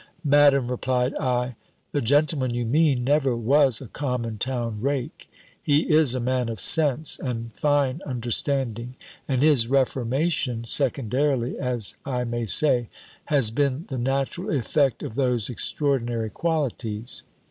"Madam," replied I, "the gentleman you mean, never was a common town rake: he is a man of sense, and fine understanding: and his reformation, secondarily, as I may say, has been the natural effect of those extraordinary qualities.